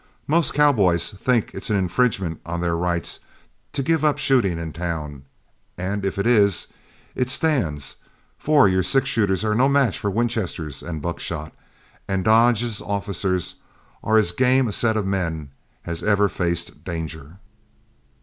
Most cowboys think it's an infringement on their rights to give up shooting in town, and if it is, it stands, for your six shooters are no match for Winchesters and buckshot; and Dodge's officers are as game a set of men as ever faced danger."